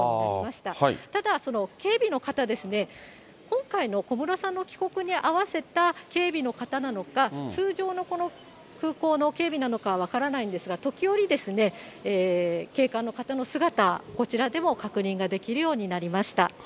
ただ警備の方ですね、今回の小室さんの帰国に合わせた警備の方なのか、通常のこの空港の警備なのかは分からないんですが、時折、警官の方の姿、こちらでも確認ができるようになりました。